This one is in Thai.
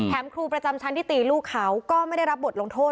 ครูประจำชั้นที่ตีลูกเขาก็ไม่ได้รับบทลงโทษ